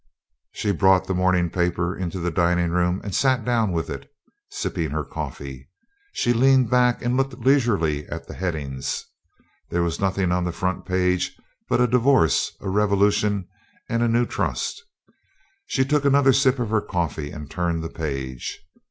She brought the morning paper into the dining room and sat down with it, sipping her coffee. She leaned back and looked leisurely at the headings. There was nothing on the front page but a divorce, a revolution, and a new Trust. She took another sip of her coffee, and turned the page.